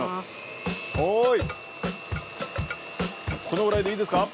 このぐらいでいいですか？